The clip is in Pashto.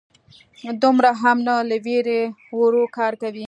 _دومره هم نه، له وېرې ورو کار کوي.